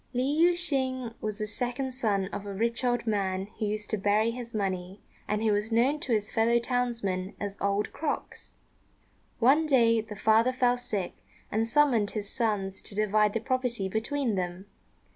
Li Yüeh shêng was the second son of a rich old man who used to bury his money, and who was known to his fellow townsmen as "Old Crocks." One day the father fell sick, and summoned his sons to divide the property between them.